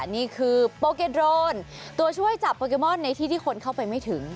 นี่คือโปเกโดรนตัวช่วยจับโปเกมอนในที่ที่คนเข้าไปไม่ถึง